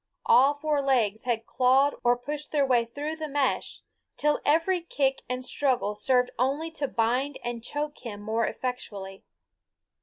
All four legs had clawed or pushed their way through the mesh, till every kick and struggle served only to bind and choke him more effectually.